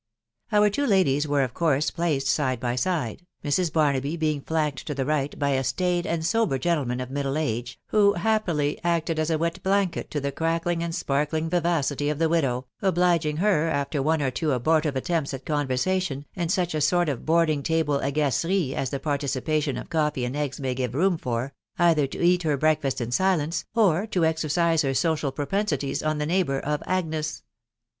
Our two ladies were of course placed side by side, Mrs. Barnaby being flanked to the right by a staid and sober gen tleman of middle age, who happily acted as a wet blanket to the crackling, and sparkling vivacity of the widow, obliging her, after one or two abortive attempts at conversation, and such sort of boarding table agaceries as the participation of coffee and eggB may give room for, either to eat her breakfast in silence, or to exercise her social propensities on the neigh bour of Agnes.